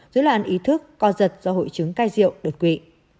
dưới loạn ý thức co giật do hội chứng cai rượu đột quỵ